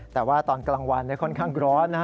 แต่ว่าตอนกลางวันค่อนข้างร้อน